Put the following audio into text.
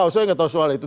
saya enggak tahu soal itu